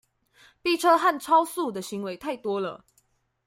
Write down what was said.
逼車和超速的行為太多了